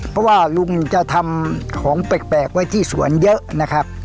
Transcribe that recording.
เพราะว่าลุงจะทำของแปลกไว้ที่สวนเยอะนะครับ